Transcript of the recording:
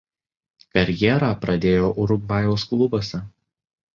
Karjerą pradėjo Urugvajaus klubuose.